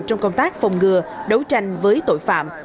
trong công tác phòng ngừa đấu tranh với tội phạm